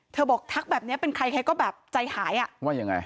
เธอบอกทักแบบเนี้ยเป็นใครก็แบบใจหายอะว่ายังไง